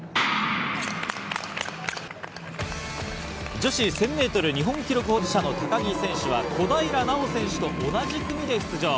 女子１０００ｍ日本記録保持者の高木選手は小平奈緒選手と同じ組で出場。